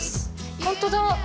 本当だ。